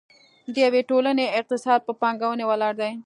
د یوې ټولنې اقتصاد په پانګونې ولاړ دی.